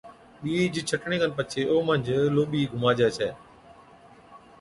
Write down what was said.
ٻِيج ڇٽڻي کن پڇي او منجھ لوٻِي گھُماجَي ڇَي،